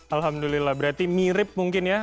alhamdulillah berarti mirip mungkin ya